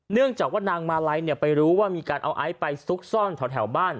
เนื่องจากว่านางมาลัยไปรู้ว่ามีการเอาไอซ์ไปซุกซ่อนแถวบ้าน